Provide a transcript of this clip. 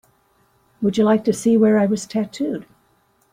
Would you like to see where I was tattooed?